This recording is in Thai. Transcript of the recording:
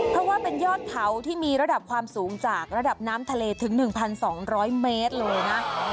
เพราะว่าเป็นยอดเขาที่มีระดับความสูงจากระดับน้ำทะเลถึง๑๒๐๐เมตรเลยนะ